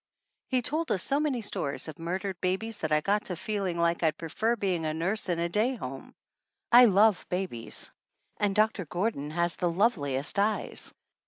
He told us so many stories of murdered babies that I got to feeling like I'd prefer being a nurse in a day home. I love babies ! And Doc tor Gordon has the loveliest eyes!